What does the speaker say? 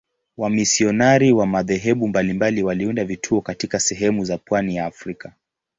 Wamisionari wa madhehebu mbalimbali waliunda vituo katika sehemu za pwani ya Afrika.